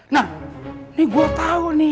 nah ini gue tau nih